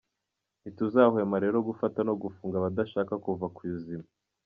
Ntituzahwema rero gufata no gufunga abadashaka kuva ku izima."